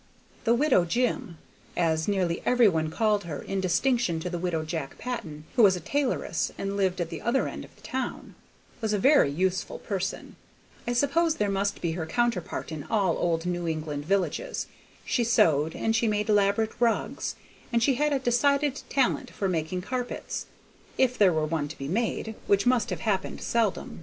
The Widow Jim (as nearly every one called her in distinction to the widow Jack Patton, who was a tailoress and lived at the other end of the town) was a very useful person. I suppose there must be her counterpart in all old New England villages. She sewed, and she made elaborate rugs, and she had a decided talent for making carpets, if there were one to be made, which must have happened seldom.